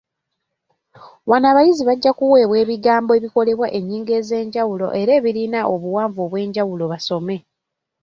Wano abayizi bajja kuweebwa ebigambo ebikolebwa ennyingo ez’enjawulo era ebirina obuwanvu obw’enjawulo basome